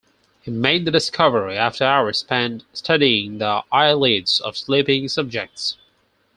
He made the discovery after hours spent studying the eyelids of sleeping subjects.